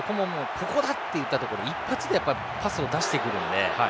ここだというところに一発でパスを出してくるので。